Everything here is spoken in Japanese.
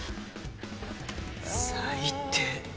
最低。